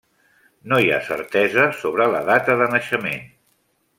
No hi ha certesa sobre la dats de naixement.